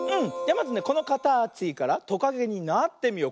まずこのかたちからトカゲになってみよう。